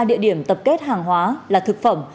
địa điểm tập kết hàng hóa là thực phẩm